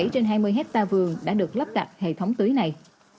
bảy trên hai mươi hecta vườn đã được lắp cặt hệ thống tưới này